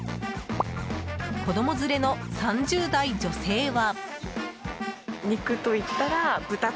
子供連れの３０代女性は。